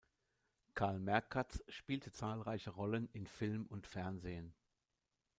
Karl Merkatz spielte zahlreiche Rollen in Film und Fernsehen.